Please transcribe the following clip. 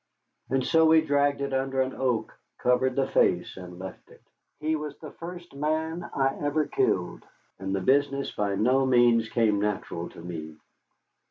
And so we dragged it under an oak, covered the face, and left it. He was the first man I ever killed, and the business by no means came natural to me.